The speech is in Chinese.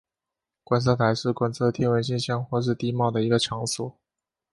观测台是观测天文现象或是地貌的一个场所。